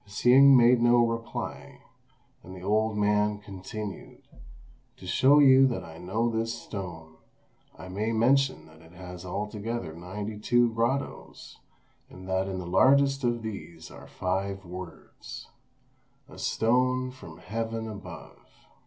Hsing made no reply; and the old man continued, "To show you that I know this stone, I may mention that it has altogether ninety two grottoes, and that in the largest of these are five words: 'A stone from Heaven above.